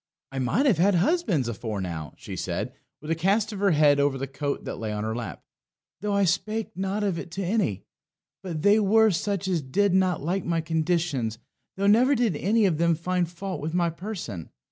"I might have had husbands afore now," she said, with a cast of her head over the coat that lay on her lap, "though I spake not of it to any. But they were such as did not like my conditions, though never did any of them find fault with my person.